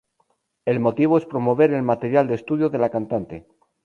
El motivo es promover el material de estudio de la cantante.